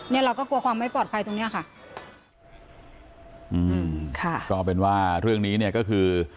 เราก็กลัวความไม่ปลอดภัยตรงเนี้ยค่ะอืมค่ะก็เป็นว่าเรื่องนี้เนี่ยก็คือ